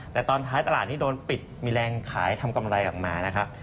แต่ตอนท้ายตลาดนี้โดนปิดมีแรงขายทำกำไรออกมานะครับ